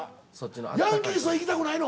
ヤンキースは行きたくないの？